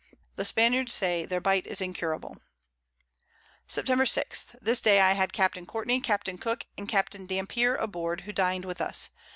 The Spaniards say their Bite is incurable. Sept. 6. This day I had Capt. Courtney, Capt. Cooke, and Capt. Dampier aboard, who dined with us.